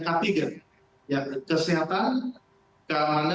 kesehatan keamanan dan keamanan